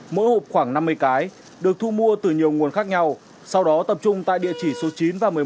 mỗi hộp khoảng năm mươi cái được thu mua từ nhiều nguồn khác nhau sau đó tập trung tại địa chỉ số chín và một mươi một